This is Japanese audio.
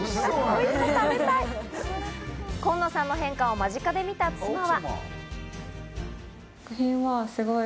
コンノさんの変化を間近で見た妻は。